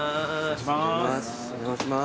お邪魔します。